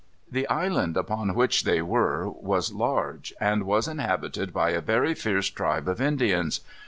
The island upon which they were was large, and was inhabited by a very fierce tribe of Indians.